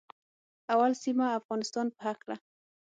اول سیمه د افغانستان په هکله